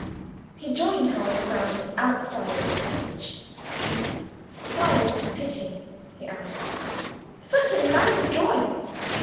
He joined her on the ground outside the cottage. "Why is it a pity?" he asked. "Such a nice drawing."